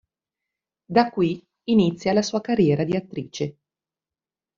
Da qui inizia la sua carriera di attrice.